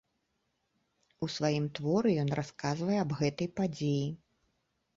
У сваім творы ён расказвае аб гэтай падзеі.